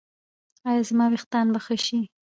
ایا زما ویښتان به ښه شي؟